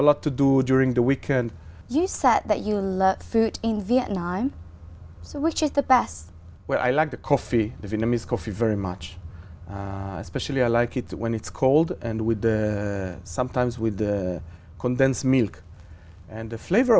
là tìm thấy một hình ảnh của chúng tôi nói với nhau